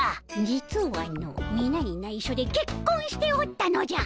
実はのみなにないしょでけっこんしておったのじゃ。